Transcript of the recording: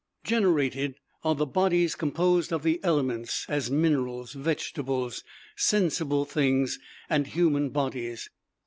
Generated are the bodies composed of the elements, as minerals, vegetables, sensible things, and human bodies.